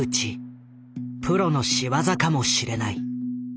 プロの仕業かもしれない。